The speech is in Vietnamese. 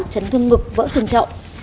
chấn thương ngực vỡ sừng trọng